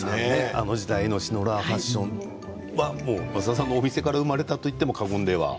あの時代のシノラーファッションは増田さんのお店から生まれたと言っても過言では。